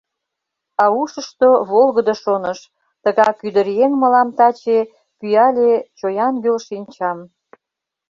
А ушышто — волгыдо шоныш: Тыгак ӱдыръеҥ мылам таче Пӱяле чоян гӱл шинчам.